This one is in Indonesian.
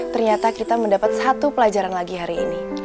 ternyata kita mendapat satu pelajaran lagi hari ini